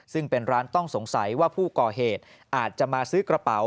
ซึ่งเป็นร้านต้องสงสัยว่าผู้ก่อเหตุอาจจะมาซื้อกระเป๋า